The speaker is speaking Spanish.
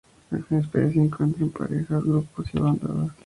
La especie se encuentra en parejas, grupos y bandadas.